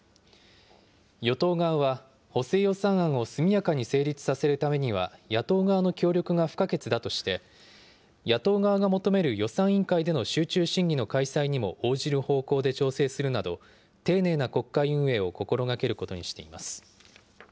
与党側は、補正予算案を速やかに成立させるためには、野党側の協力が不可欠だとして、野党側が求める予算委員会での集中審議の開催にも応じる方向で調整するなど、丁寧な国会運営を心がけることにしています。